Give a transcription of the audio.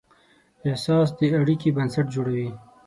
احساس د اړیکې بنسټ جوړوي.